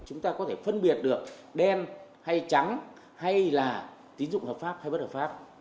chúng ta có thể phân biệt được đen hay trắng hay là tín dụng hợp pháp hay bất hợp pháp